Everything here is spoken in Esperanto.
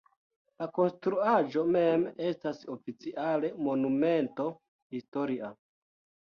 La konstruaĵo mem estas oficiale Monumento historia.